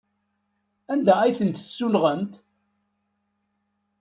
Anda ay ten-tessunɣemt?